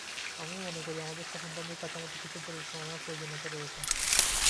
আমি মনে করি, আমাদের শাসনতান্ত্রিক কাঠামোতে কিছু পরিবর্তন আনার প্রয়োজনীয়তা রয়েছে।